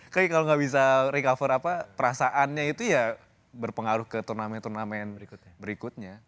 kayaknya kalau nggak bisa recover apa perasaannya itu ya berpengaruh ke turnamen turnamen berikutnya